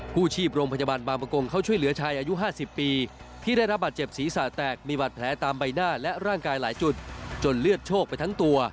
ผู้ชีพโรงพยาบาลบางประกงเขาช่วยเหลือชายอายุ๕๐ปีที่ได้รับบาดเจ็บศีรษะแตกมีบาดแผลตามใบหน้าและร่างกายหลายจุดจนเลือดโชคไปทั้งตัว